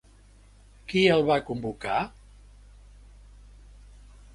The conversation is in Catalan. Qui el va convocar?